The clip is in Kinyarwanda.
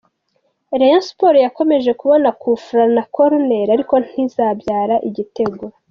Rayon Sports yakomeje kubona coup franc na koruneli ariko nta ntizabyara igitego .